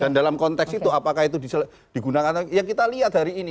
dan dalam konteks itu apakah itu digunakan atau tidak ya kita lihat dari ini